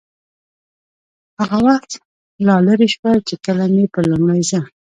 هغه وخت لا لرې شول، چې کله مې په لومړي ځل.